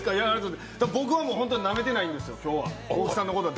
僕は本当になめてないんですよ、大木さんのことは。